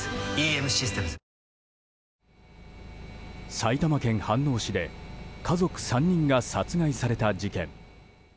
埼玉県飯能市で家族３人が殺害された事件。